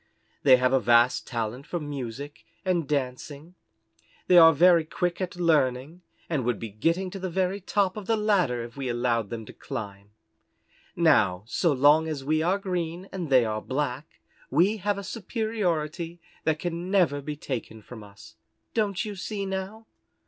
They have a vast talent for music and dancing; they are very quick at learning, and would be getting to the very top of the ladder if we allowed them to climb. Now, so long as we are green and they are black, we have a superiority that can never be taken from us. Don't you see now?"